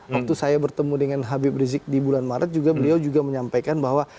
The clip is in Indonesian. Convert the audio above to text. waktu saya bertemu dengan habib rizik di bulan maret beliau juga menyampaikan bahwa